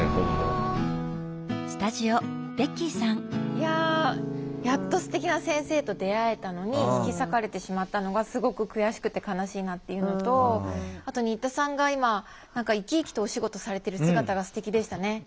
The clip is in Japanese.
いややっとすてきな先生と出会えたのに引き裂かれてしまったのがすごく悔しくて悲しいなっていうのとあと新田さんが今何か生き生きとお仕事されてる姿がすてきでしたね。